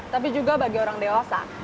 tapi juga bagi orang dewasa